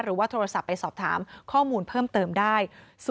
หรือว่าโทรศัพท์ไปสอบถามข้อมูลเพิ่มเติมได้